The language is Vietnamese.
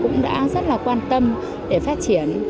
chúng tôi cũng đã rất là quan tâm để phát triển